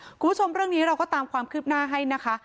คุณผู้ชมเรื่องนี้เราก็ตามความคืบหน้าให้นะคะ